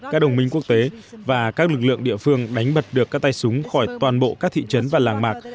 các đồng minh quốc tế và các lực lượng địa phương đánh bật được các tay súng khỏi toàn bộ các thị trấn và làng mạc